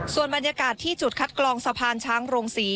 ส่วนบรรยากาศที่จุดคัดกรองสะพานช้างโรงศรี